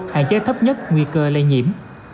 hạn chế thấp nhất nguy cơ lây nhiễm